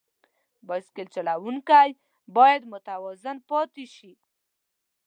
بایسکل چلوونکی باید متوازن پاتې شي.